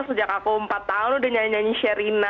sejak aku empat tahun udah nyanyi nyanyi sherina